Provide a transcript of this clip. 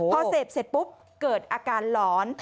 พอเสพเสร็จปุ๊บเกิดอาการหลอน